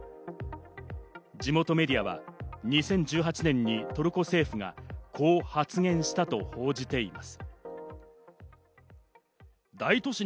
地元メディアは２０１８年にトルコ政府がこう発言したと報じています。